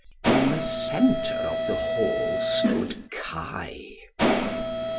In the centre of the Hall stood Kai.